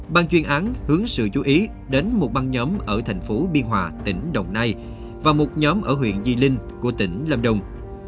ban chuyên án hướng sự chú ý đến một băng nhóm ở thành phố biên hòa tỉnh đồng nai và một nhóm ở huyện di linh của tỉnh lâm đồng